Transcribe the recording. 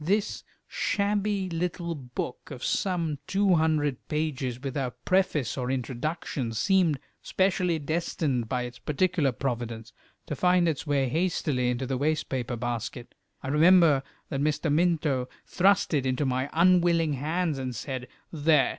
This shabby little book of some two hundred pages, without preface or introduction, seemed specially destined by its particular providence to find its way hastily into the waste paper basket. I remember that Mr. Minto thrust it into my unwilling hands, and said "There!